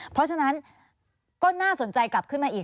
เพราะฉะนั้นก็น่าสนใจกลับขึ้นมาอีก